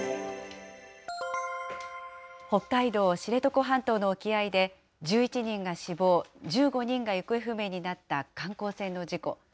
北海道知床半島の沖合で、１１人が死亡、１５人が行方不明になった観光船の事故。